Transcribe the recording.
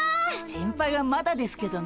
先輩はまだですけどね。